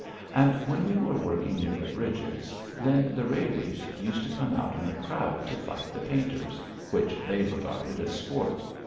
And when we were working near the bridges, then the "railies" used to come out in a crowd to fight the painters which they regarded as sport.